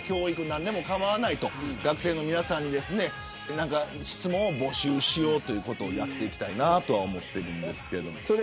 何でも構わないと学生の皆さんに質問を募集しようということをやっていこうと思っています。